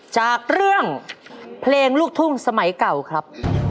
จากเรื่องเพลงลูกทุ่งสมัยเก่าครับ